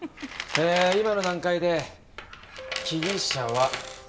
えー今の段階で被疑者は３人。